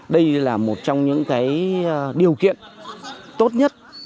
đây là một trong những điều kiện tốt nhất